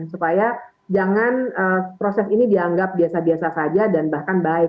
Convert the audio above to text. supaya jangan proses ini dianggap biasa biasa saja dan bahkan baik